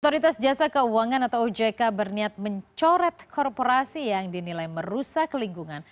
otoritas jasa keuangan atau ojk berniat mencoret korporasi yang dinilai merusak lingkungan